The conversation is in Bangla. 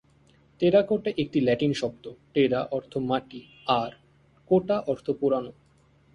টেরাকোটা একটি লাতিন শব্দ: 'টেরা' অর্থ মাটি, আর 'কোটা' অর্থ পোড়ানো।